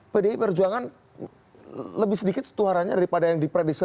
pdi perjuangan lebih sedikit suaranya daripada yang diprediksi